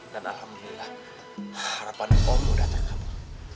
dan alhamdulillah harapan om udah terkabur